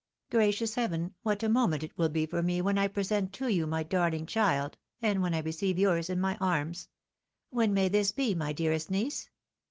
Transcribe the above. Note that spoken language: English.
Gracious Heaven, what a moment it wiU be for me when I present to you my darhng child, and when I receive yours in my arms ! When may this be, my dearest niece